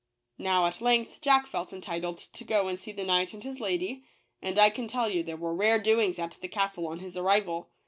Now, at length, Jack felt entitled to go and see the knight and his lady — and I can tell you there were rare doings at the castle on his ar rival.